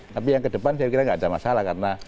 tapi yang kedepan saya kira nggak ada masalah karena